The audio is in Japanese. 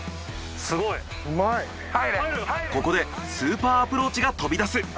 ここでスーパーアプローチが飛び出す。